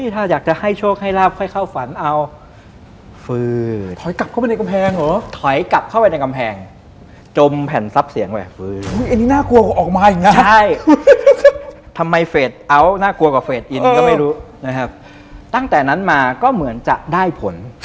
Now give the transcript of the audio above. ตั้งแต่นั้นมาก็เหมือนจะได้ผล